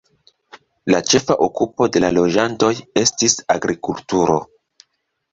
La ĉefa okupo de la loĝantoj estis agrikulturo.